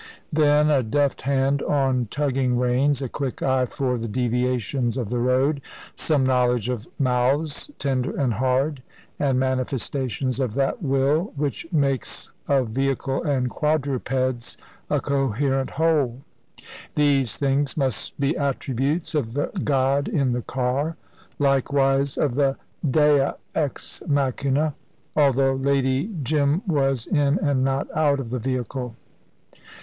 Then, a deft hand on tugging reins, a quick eye for the deviations of the road, some knowledge of mouths, tender and hard, and manifestations of that will which makes of vehicle and quadrupeds a coherent whole these things must be attributes of the god in the car. Likewise of the "Dea ex machina," although Lady Jim was in and not out of the vehicle.